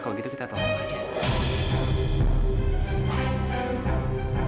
kalau gitu kita telepon aja